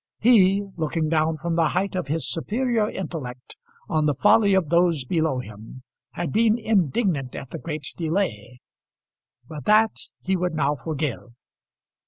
He, looking down from the height of his superior intellect on the folly of those below him, had been indignant at the great delay; but that he would now forgive.